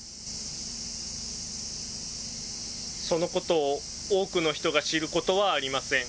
そのことを多くの人が知ることはありません。